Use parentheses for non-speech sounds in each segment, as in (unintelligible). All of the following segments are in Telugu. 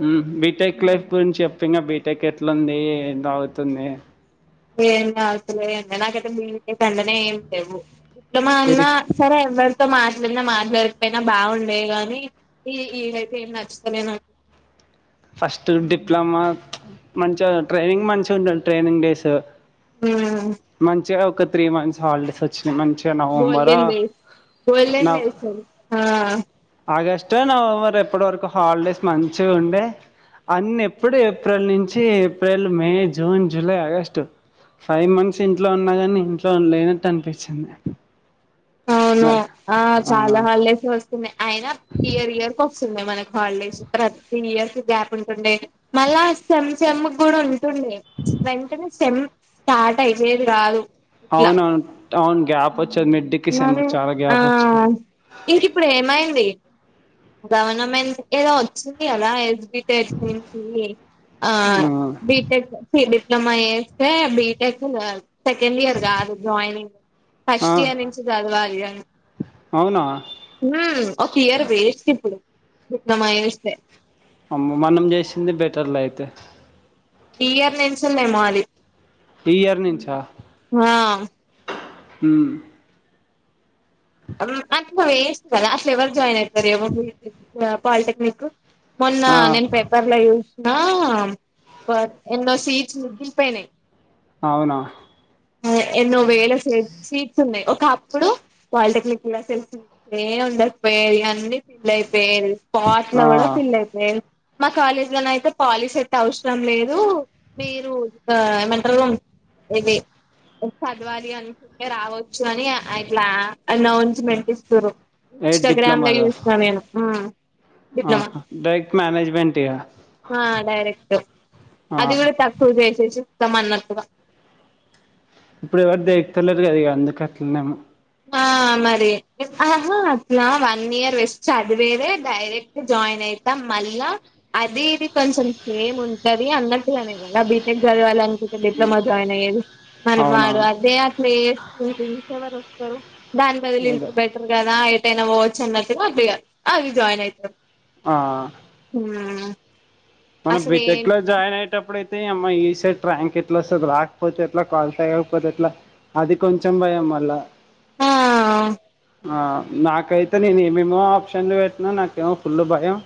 మ్ బీటెక్ లైఫ్ గురించి చెప్పు ఇంగ బీ టిక్ ఎట్లుంది ఎం సాగుతుంది ఏసాగుతలే ఎం లే నాకైతే బిటేక్ అంటేనే ఏం లేవు ఇంకా మా వెరీ అన్నా సరే ఎవ్వరు నీతో మాట్లాడినా మాట్లాడకపోయినా బాగుండే గానీ ఈ ఇదైతే ఏం నచ్చతలేదు ఫస్ట్ డిప్లొమా మంచిగా ట్రైనింగ్ మంచిగా ఉంటుంది ట్రైనింగ్ డేస్ మ్ చ్చిగా ఒక త్రీ మంత్స్ హాలిడేస్ వచ్చు మంచిగా నవంబరా గోల్డెన్ డేస్ గోల్డెన్ నా డేస్ ఆ ఆగస్ట్ ఇటర్న్ నవంబర్ ఎప్పటివరకు హాలిడేస్ మంచిగా ఉండే అన్న ఎప్పుడు ఏప్రిల్ నుంచి April May June July August five months ఇంట్లో ఉన్నా కాని ఇంట్లో లేనట్టు అనిపిచ్చింది అవును ఆ చాలా హాలిడేసే వస్ అయిన ఇయర్ ఇయర్ కోస్తుండే మనకి హాలిడేస్ ప్రతి ఇయర్ కి గ్యాప్ ఉంటుండే మళ్ మ్మ్ సెమ్ సెమ్ కూడా ఉంటుండే వెంటనే సెమ్ స్టార్ట్ అయిపోయేది కాదు ఇట్లా అవును అవును అవును గ్యాప్ వచ్చేది మిడ్ కి ఈ సెమ్ మరి కి చాలా ఆ గ్యాప్ వచ్చింది ఇంక ఇప్పుడు ఏమైంది గవర్నమెంట్ ఎదో వచ్చిన్ది కద ఏ బిటెక్ నుంచి ఆ బిటెక్ చి డి ప్లమా చేస్తే బిటెక్ ఏ చేయాలి సెకండ్ ఇయర్ కాదు జాయినింగ్ ఆ ఫస్ట్ ఇయర్ నుంచి చదవాలి దాన్ని అవునా మ్ ఒక ఇయర్ వేస్ట్ ఇప్పుడు డిప్లమా చేస్తే అమ్మో మనం చేసింది బెటర్లె అయితే ఇయర్ నుంచి ఉన్నాయ్ మాది ఈ ఇయర్ నుంచా మ్ అట్ల వేస్ట్ కదా అసలు ఎవరు జాయిన్ అయితారు ఎవరు ఆ పాలిటెక్నిక్ మొన్న ఆ నేను పేపర్ల చుస్ నా బ ఎన్నో సీట్స్ మిగిలిపోయినాయి అవునా ఎన్నో వేల సీట్స్ ఉన్నాయి ఒకప్పుడు పాలిటెక్నిక్ సీట్స్ అయితే అసలే ఉండకపోయేవి అన్ని ఫిల్ అయిపోయేవి స్పాట్లో ఆ కూడా ఫిల్ అయేపోయేవి మా కాలేజ్ లో అయితే పాలసెట్ అవసరం లేదు మీరు అ ఏమంటారు ఇది చదవాలి అనుకుంటే రావచ్చు అని ఇట్లా అౌన్ంచిమెంట్ ఇస్తుర్రు ఏ ఇన్స్టాగ్రామ్ లో డిప్లొమాదా చూస నేను అ ఆహా డైరెక్ట్ మనేజ్మెంట్ ఇగ డైరెక్ట్ ఆ అది కూడా తక్కువ చేసే చెప్తామన్నట్టుగ ఇప్పుడు ఎవరు దేకుత లేరు కద ఇగ అందుకే అట్లనెమో ఆ మరి అహ ఇలా వన్ ఇయర్ వస్ట్ చదివేదే డైరెక్ట్ జాయిన్ అవుతాం మళ్ళా అది ఇది కొ కొంచెం సేమ్ ఉంటంది అన్నట్టుగానే కద బీటెక్ చదవాలన్ డిప్లొమా జాయిన్ అయ్యేది మరి వాడు అవునవును అదే అట్లా చేస్తే ర్ ఎవరోస్తారు దాని బదులు అదే ఇంటర్ బెటర్ కదా ఏటైనా పోవచ్చన్నట్టుగ అవి జాయిన్ అయితం ఆ అ మనం బీటెక్ లో జాయిన్ అయేటప్పుడు అయితే అమ్మా ఈ ఎంసెట్ ర్యాంక్ ఎట్లా వస్తుంది రాకపోతే ఎట్లా క్వాలిఫై అకపోతే ఎట్లా అది కొంచెం భయం మళ్ళ ఆ నాకైతే నేను ఏమేమో ఆప్షన్లు పెట్టినా నాకేమో ఫుల్ భయం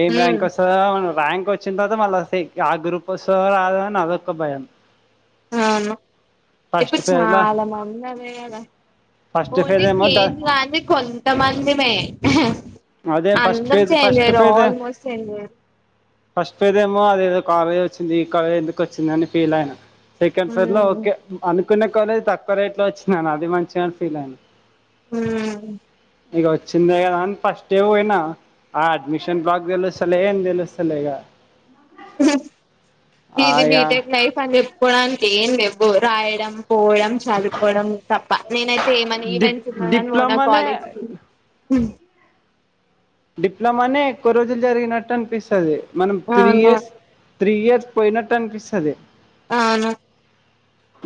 ఏం ఉమ్ ర్యాంక్ వస్తదా (unintelligible) ర్యాంక్ వచ్చిన తర్వాత మళ్ళీ ఆ గ్రూప్ వస్తదో రాదో అని అదొక భయం అవును ఇప్పుడు ఫస్ట్ ఫేజ్లా చాలా మంది అదే కద ఫస్ట్ ఫేజ్ ఓన్లీ ఏమో ద చేంజ్ కానిది కొంతమంది మే అదే ఫస్ట్ అందరు ఫేజ్ చేంజ్ ఫస్ట్ అయ్యిర్రు ఫేజ్ ఆల్మోస్ట్ చేంజయిర్రు ఫస్ట్ పోయిదేమో అదేదో కాలేజ్ వచ్చింది ఈ కాలేజ్ ఎందుకచ్చిందని ఫీల్ అయిన సెకండ్ ఫేర్లో ఓకే అనుకునే కాలేజ్ తక్కువ రేట్ లో వచ్చిందిను అది మంచిగని ఫీల్ అయిన మ్మ్ ఇక వచ్చిందే కదా అని ఫస్ట్ ఏ పోయినా ఆ అడ్మిషన్ బ్లాక్ తెలుస్తలే ఏం తెలుస్త సలేగా ఇది బీటెక్ నైఫ్ అని చెప్పుకోడానికి ఏంలెవ్వు రాయడం పోవడం చదువుకోవడం తప్ప నేనైత్ సేమని డిప్ ఈవెంట్స్ ఉన్న కాని డిప్లొమానే పోనాకాలేజ్ కి డిప్లొమానే ఎక్కువ రోజులు జరిగినట్టు అనిపిస్తది మనం త్రీ అవును ఇయర్స్ త్రీయర్స్ పోయినట్టనిపిస్తది అవును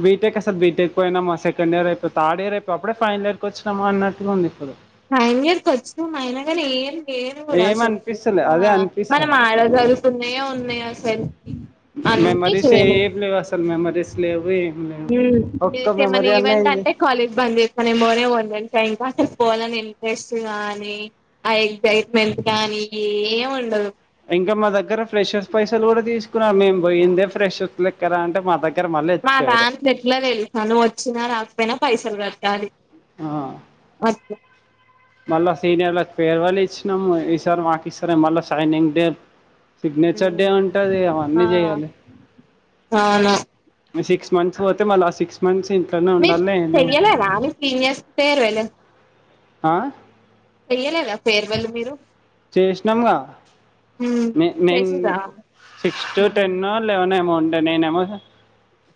బీటెక్ అసలు బీటెక్ పోయినామా సెకండ్ ఇయర్ అయిపోయి థర్డ్ ఇర్ అయి అప్పుడే ఫైనల్ ఇయర్కి వచ్చినమా అన్నట్లుంది ఫైనలియర్ కొచ్చినం అయిన కానీ ఏం సేమ్ కూడా ఏం అసలుకి అనిపిస్తలే ఆ అదే మనం అనిపిస్తది ఆడ చదువుకున్నయే ఉన్నాయసలు మెమరీస్ ఏ లేవసలు మెమరీస్ లేవు లేవు మ్మ్ ఒక్క నేనైతే ఏమన్న మెమరీ అన్నా ఈవెంట్ అయింది అంటే కాలేజ్ బంద చేస్త నేను పోనే పోను (unintelligible) వాటకి పోలని ఇంట్రెస్ట్ గానీ ఆ ఎగ్జైట్మెంట్ గానీ ఏం ఉండదు ఇంకా మా దగ్గర ఫ్రెషర్స్ పైసలు కూడా తీసుకున్నారు మేము పోయిందే ఫ్రెషర్స్ లెక్కరా అంటే మా దగ్ మా దాంట్లో ఎట్ల తెలుసా నువ్వు వచ్చినా రాకపోయినా పైసలు కట్టాలి ఆ అట్లా మళ్ళా సీనియర్లకి ఫేర్వెల్ ఇచ్చినాము ఈసార్ మాకు ఇస్తరేమో మళ్ళా షైనింగ్ డే సిగ్నేచర్ డే ఉంటది ఆ అవన్నీ చేయాలి అవును సిక్స్ మంత్స్ పోతే మళ సిక్స్ మంత్స్ ఇన్ మీ చెయ్యలేదా మీ సీనియర్స్ ఫేర్వెల్ ఆ చెయ్యలేదా ఫేర్వెల్ మీరు హ్మ్. మే నేన్ చేసిర్రా సిక్స్ టు హ్మ్. టెన్నో లెవెనో ఏమో ఉన్ ట నేనేమో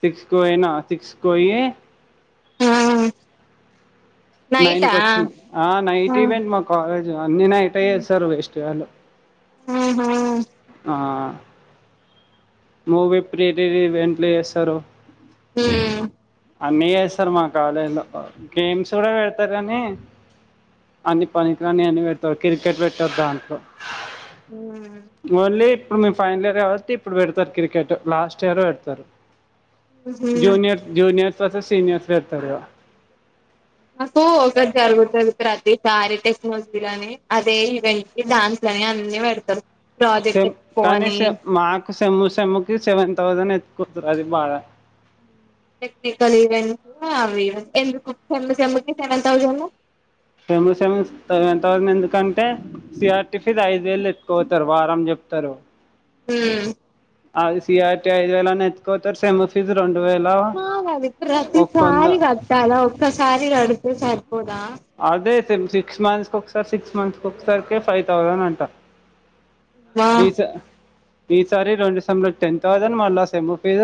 సిక్స్ కి పోయినా సిక్స్కు పోయి ఆ నైన్ కు వచ్చిన ఆ నైట్ ఈవెంట్ మా కాలేజ్ అన్ని నైటే చేస్తారు వేస్ట్ గాళ్ళు మ్మ్ హ్మ్ ఆ మూవీ ప్రిరిలీవెంట్లు చేస్తరు ఉమ్ అన్నీ చేస్తారు మా కాలేజ్ లో గేమ్స్ కూడా పెడతారు కానీ అన్ని పనికి రాని అన్ని పెడతారు క్రికెట్ పెట్టారు దాంట్లో ఓన్లీ ఇప్పుడు మీ ఫైనల్ ఇయర్ కాబట్టి ఇప్పుడు పెడతారు క్రికెట్ లాస్ట్ ఇయర్ పెడతారు మ్మ్ జూనియర్ జూనియర్ తర్వాత సీనియర్స్లు పెడతారు ఇగ నాకు ఒక జరుగుతది ప్రతిసారి టెక్నాలజీ ని అదే ఈవెంట్ కి డ్యాన్స్ లని అన్ని పెడతారు ప్రాజెక్ట్ సేమ్ ఎక్స్పో కానీ అని మాకు సమ్ సమ్కి సెవెన్ థౌసండ్ కుతురాది బాగా టెక్నికల్ ఈవెంట్స్వి ఎందుకు సెమ్ము సెమ్ము కి సెవెన్ థౌజండ్ సేమ్ సేమ్ కి సెవెన్ తౌసండ్ ఎందుకు అంటే సిఆర్ టిఫిన్ ఐదు వేలు ఎత్టుకుతారు వారాం చెప్తారు హ అది సిఆర్టి ఐదు వేలు అని ఎత్తుక పోతారు సెమ్ఫీ ఫీజు రెండు వేల అ అది ఒక ప్రతిసారి వంద కట్టాలా ఒక్కసారి కడితే సరిపోదా అదే సిక్స్ మంత్స్కి ఒకసారి సిక్స్ మంత్స్ కి ఒక్కసారికే ఫైవ్ థౌజండ్ అంటారు ఆ ఈసారి రెండు సేమ్ లకి టెన్ థౌసండ్ మళ్ళ సేమ్ ఫీజ్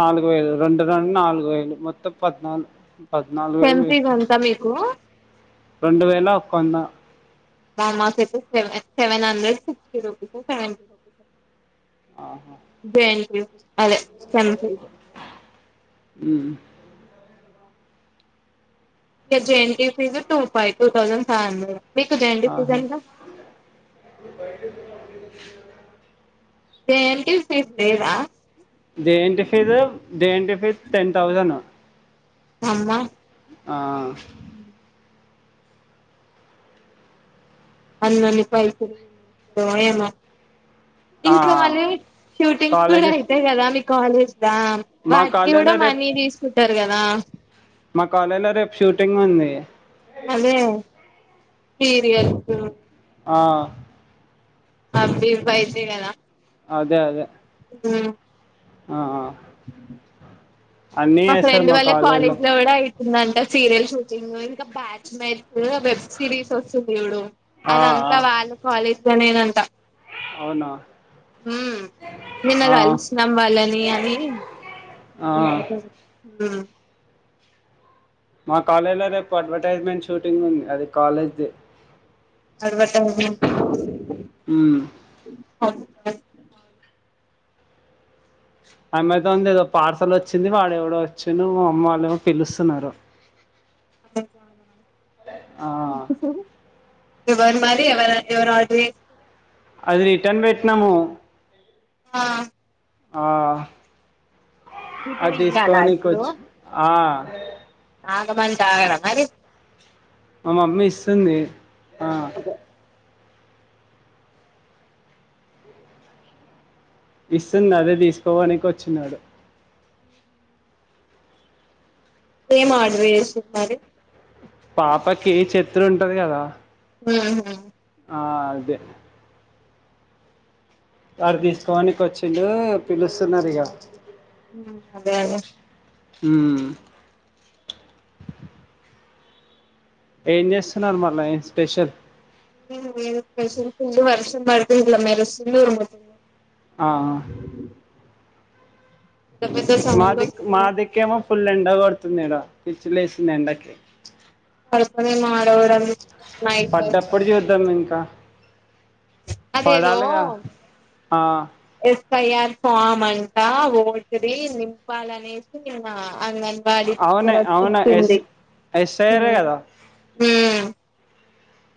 నాలుగు వేలు రెండు రెండు నాలుగు వేలు మొత్తం పద్నాలుగు పద్నాలుగు సెమ్ ఫీజ్ వేస్ట్ ఎంత మీకు అబ్బా రెండు వేల ఒక వంద మాకైతే సెవ seven hundred sixty rupees seven rupees ఆహా. ద అదే సేమ్ ఫీస్ అ జేఎన్టీయూ ఎంట్రీ ఫీజస్ టూ ఫై టూ థౌండ్ ఫైవ్ హండ్రెడ్ మీకు జేఎన్‌టియు ఫీజు ఆహా ఎంత జేఎన్టీయూ ఫీజు లేదా JNTU fee JNTU fees ten thousand అమ్మ ఆ అన్నన్ని పైసలు ఏంటో ఏమో ఇంకా మళ్ళీ షూటింగ్స్ కూడా కాలేజెస్ అయితాయి కదా మీ కాలేజ్ లా మా వాటికి కూడా కాలేజీలో రేపు మనీ తీసుకుంటారు కదా మా కాలేజ్ లో రేపు షూటింగ్ ఉంది అదే సీరియల్స్ ఆ అవ్వీవ్వి వైతే కదా అదే అదే ఆ ఆ అన్నీ మా వేస్తారు ఫ్రెండ్ వాళ్ళ కాలేజీలో కాలేజ్ లో కూడా అవుతుందంట సీరియల్ షూటింగ్ ఇంకా బ్యాచ్ మ్యాచ్ వెబ్ సిరీస్ వస్తుంది చూడు ఆ, ఆ, అదంతా వాళ్ళు కాలేజ్గానేదంతా అవునా ఉమ్ నిన్న ఆ, కలిసినాం వాళ్ళని అని ఆ. ఉమ్ మా కాలేజ్ లో రేపు అడ్వర్టైజ్మెంట్ షూటింగ్ ఉంది అది కాలేజ్ది అడ్వర్టైజ్మెంట్ మ్మ్. ఆ అమెజాన్ ది ఏదో పార్సల్ వచ్చింది వాడెవడో వచ్చిండు మా అమ్మ వాళ్ళుమో పిలుస్తున్నారు ఆ, (unintelligible) ఎవరు మరి ఎవరు ఎవరు ఆర్డర్ చేసిర్రు అది రిటర్న్ పెట్నాము ఆ ఆ చికెన్ అది ఇయ్యాలా తీస్కపోనికి ఇప్పుడు వచ్చి ఆ ఆగమంటే ఆగర మరి మా మమ్మీ ఇస్తుంది ఆ, అదే ఇస్తుంది అదే తీస్కపోనికి వచ్చిన్నాడు ఏం ఆర్డర్ చేసినావ్ మరి పాపకి చెత్రి ఉంటది కదా మ్మ్ హు ఆ అదే వాడు తీస్కపోనికి వచ్చిండు పిలుస్తున్నారు ఇగ అదే అదే మ్మ్ ఏం చేస్తున్నారు మళ్ళా ఏం స్పెషల్ (unintelligible) స్పెషల్ ఫుల్లు వర్షం పడుతే ఇట్ల మెరుస్తుంది ఉరుముతుంది ఆ, అ మాదిక్ వస్తున్నాయి మాదిక్కేమో ఫుల్ ఎండ కొడుతుంది ఈడ పిచ్చి లేస్తుంది ఎండ కి పడుకోనేమో ఆడవడం నైట్ పడ్డప్పుడు చూద్దాం ఇంకా అదేదో పడాలిగా ఆ, ఏ తయర్ ఫామ్ అంటా ఓటిరి నింపాలనేసి నిన్న అంగన్వాడి అవునే టీచర్ వచ్చి అవునా ఎస్ ఇచ్చింది ఎస్ఐఆర్ మ్మ్ కదా మ్మ్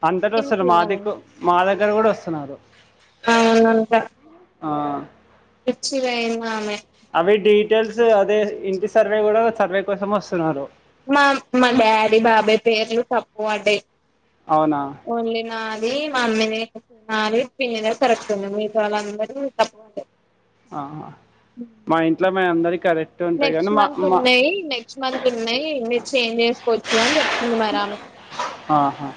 అంతటి వస్తారు మాదిక్ మాదగ్గర కూడా వస్తున్నారు అవునంట ఆ ఇచ్చి పొయ్యింది ఆమె అవి డీటెయిల్స్ అదే ఇంటి సర్వే కూడా సర్వే కోసం వస్తున్నారు మా మా డాడీ బాబాయి పేర్లు తప్పు పడ్డాయి అవునా ఓన్లీ నాది మమ్మీ ది నాది పిన్ని ది ఏమో కరెక్ట్ ఉంది మిగతా వాళ్ళందరివి తప్పు పడ్డాయి ఆ మా ఇంట్లో మే అందరి కరెక్ట్ ఉంటాయి నెక్స్ట్ కానీ మా మంత్ మా ఉన్నాయి నెక్స్ట్ మంత్ ఉన్నాయి మీ చేంజ్ చేసుకోవచ్చు అని చెప్ ఆహా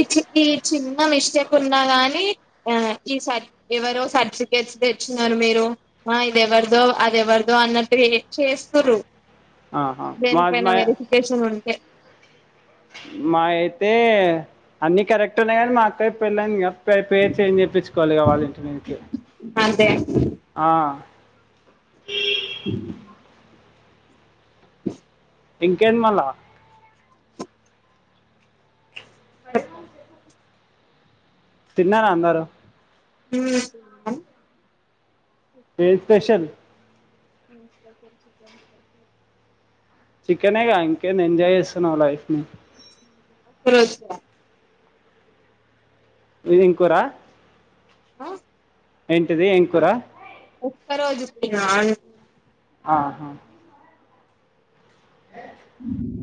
ఈ చి ఈ చిన్న మిస్టేక్ ఉన్నా గాని ఆ ఈ సర్ ఎవరో సర్టిఫికేట్స్ తే ఇచ్చిన్నారు మీరు ఆ ఇది ఎవరిదో అది ఎవరిదో అన్నట్టు చేస్తుర్రు ఆహా మా దేనిపైన వెరిఫికేషన్ ఉంటే మాయి అయితే అన్ని కరెక్ట్ ఉన్నాయి కానీ మా అక్క కి పెళ్లయిందిగా పే పేరు చేంజ్ చెప్పించుకోవాలి ఇగ వాళ్ళ ఇంటి నుంచి అంతే ఆ అ (inaudible) ఇంకేంటి మళ్ళా ఓ తిన్నార అందరూ హ్మ్ ఏ ఫ్రెషర్ (inaudible) చికెనేగా ఇంకేమి ఎంజాయ్ చేస్తున్నావ్ లైఫ్ ని (inaudible) మీది ఏం కూరా ఆ ఏంటిది ఏం కూరా ఒక్క రోజు ఉత్తిగా ఆహా (inaudible)